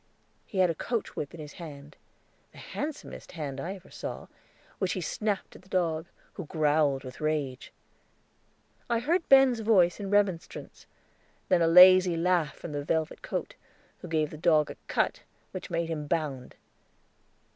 He had a coach whip in his hand the handsomest hand I ever saw, which he snapped at the dog, who growled with rage. I heard Ben's voice in remonstrance; then a lazy laugh from velvet coat, who gave the dog a cut which made him bound.